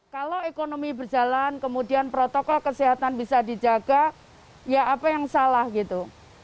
kalau ekonomi berjalan kemudian protokol kesehatan bisa dijaga ya apa yang salah gitu